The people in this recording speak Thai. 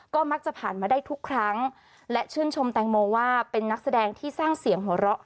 ก็มักจะผ่านมาได้ทุกครั้งและชื่นชมแตงโมว่าเป็นนักแสดงที่สร้างเสียงหัวเราะ